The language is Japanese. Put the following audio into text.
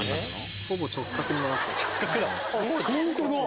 ほぼ直角に曲がってる。